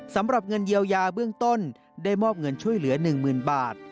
สำหรับเงินเยียวยาเบื้องต้นได้มอบเงินช่วยเหลือ๑๐๐๐บาท